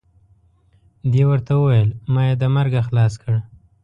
دې ورته وویل ما یې د مرګه خلاص کړ.